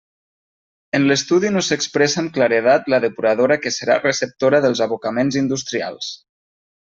En l'estudi no s'expressa amb claredat la depuradora que serà receptora dels abocaments industrials.